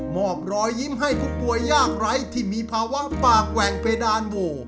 อบรอยยิ้มให้ผู้ป่วยยากไร้ที่มีภาวะปากแหว่งเพดานโว